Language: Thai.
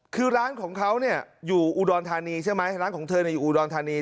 คือร้านของเขาเนี่ยอยู่อุดรธานีใช่ไหมร้านของเธออยู่อุดรธานี